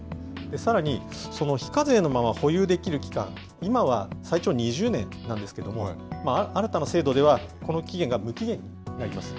さらに、その非課税のまま保有できる期間、今は最長２０年なんですけども、新たな制度では、この期限が無期限になります。